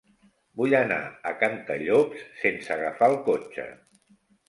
Vull anar a Cantallops sense agafar el cotxe.